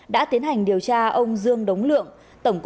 đã tiến hành điều tra ông dương đống lượng tổng cục